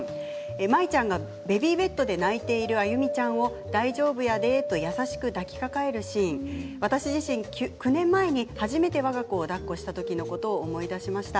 舞ちゃんがベビーベッドで泣いている歩ちゃんを大丈夫やでと優しく抱きかかえるシーン私自身１０年前に初めてわが子をだっこした時のことを思い出しました。